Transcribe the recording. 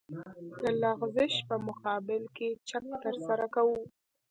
د لغزش په مقابل کې چک ترسره کوو